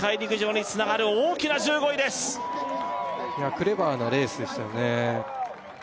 クレバーなレースでしたよね